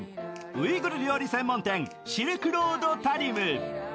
ウイグル料理専門店シルクロード・タリム。